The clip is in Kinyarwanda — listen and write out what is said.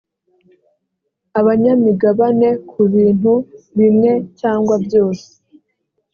abanyamigabane ku bintu bimwe cyangwa byose